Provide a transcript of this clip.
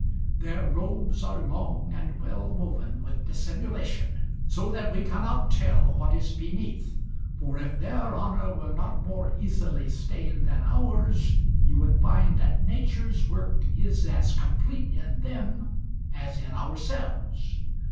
Their robes are long and well woven with dissimulation, so that we cannot tell what is beneath, for if their honour were not more easily stained than ours, (7) you would find that Nature's work is as complete in them as in ourselves.